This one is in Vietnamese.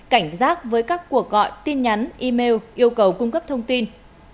cảnh giác với các cuộc gọi tin nhắn email yêu cầu cung cấp thông tin